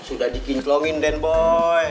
sudah dikinclongin den boy